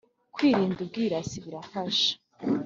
Kwirinda ubwirasi birafasha